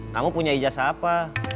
kamu punya ijazah apa